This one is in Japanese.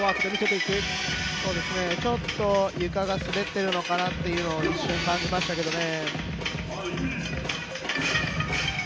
ちょっと床が滑っているのかなっていうのを一瞬感じましたけどね。